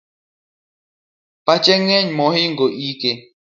Pache ng'eny mohingo ike